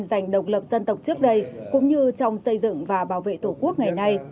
dành độc lập dân tộc trước đây cũng như trong xây dựng và bảo vệ tổ quốc ngày nay